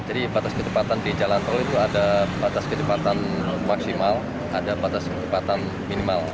jadi batas kecepatan di jalan tol itu ada batas kecepatan maksimal ada batas kecepatan minimal